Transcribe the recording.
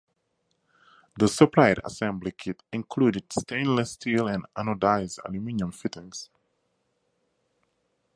The supplied assembly kit included stainless steel and anodized aluminum fittings.